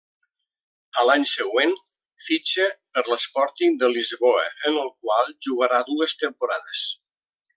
A l'any següent, fitxa per l'Sporting de Lisboa en el qual jugarà dues temporades.